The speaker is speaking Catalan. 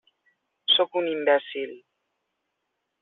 Sóc un imbècil.